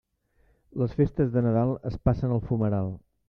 Les festes de Nadal es passen al fumeral.